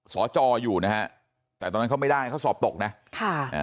จออยู่นะฮะแต่ตอนนั้นเขาไม่ได้เขาสอบตกนะค่ะอ่า